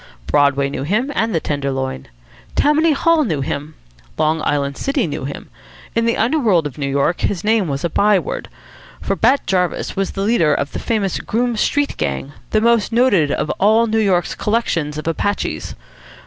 Broadway knew him, and the Tenderloin. Tammany Hall knew him. Long Island City knew him. In the underworld of New York his name was a by word. For Bat Jarvis was the leader of the famous Groome Street Gang, the most noted of all New York's collections of Apaches.